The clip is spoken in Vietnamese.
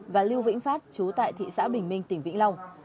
và lưu vĩnh phát chú tại thị xã bình minh tỉnh vĩnh long